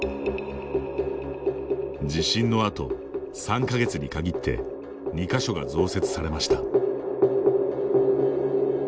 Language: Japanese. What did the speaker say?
地震のあと、３か月に限って２か所が増設されました。